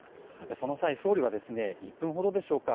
その際、総理は１分ほどでしょうか。